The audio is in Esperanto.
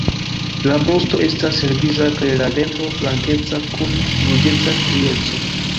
La brusto estas helgriza, kaj la ventro blankeca kun ruĝeca strieco.